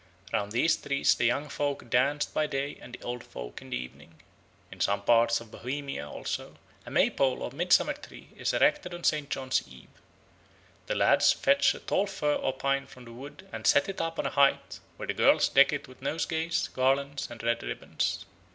Round these trees the young folk danced by day and the old folk in the evening. In some parts of Bohemia also a May pole or midsummer tree is erected on St. John's Eve. The lads fetch a tall fir or pine from the wood and set it up on a height, where the girls deck it with nosegays, garlands, and red ribbons.